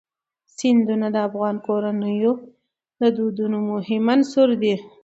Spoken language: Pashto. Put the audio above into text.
سیندونه د افغان کورنیو د دودونو مهم عنصر دی.